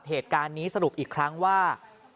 เหตุการณ์นี้สรุปอีกครั้งว่า